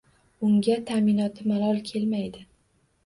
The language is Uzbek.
Unga taʼminoti malol kelmaydi.